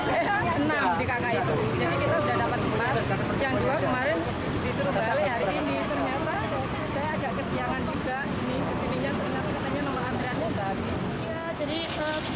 ini kesininya kenapa ternyata nomor antreannya habis